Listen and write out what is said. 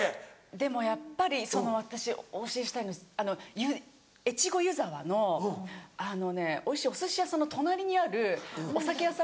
でもやっぱり私お教えしたいの越後湯沢のあのねおいしいおすし屋さんの隣にあるお酒屋さん。